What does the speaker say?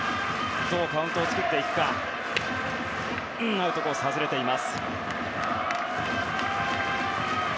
アウトコース、外れています。